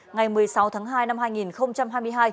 ngày một mươi sáu tháng hai năm hai nghìn hai mươi hai